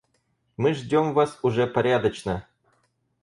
Мы ждём вас уже порядочно.